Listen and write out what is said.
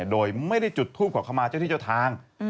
โดยไม่ได้จุดทูปขอเข้ามาเจ้าที่เจ้าทาง